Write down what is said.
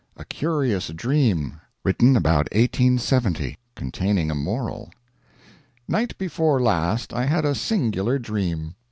A CURIOUS DREAM [Written about 1870.] CONTAINING A MORAL Night before last I had a singular dream.